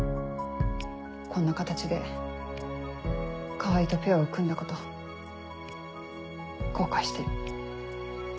こんな形で川合とペアを組んだこと後悔してる。